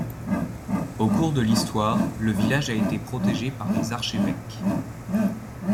Au cours de l'histoire, le village a été protégé par les archevêques.